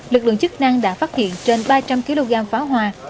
lực lượng chức năng đã phát hiện trên ba trăm linh kg pháo hoa